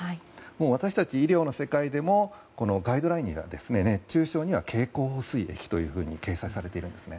私たち医療の世界でもガイドラインが熱中症には経口補水液と掲載されています。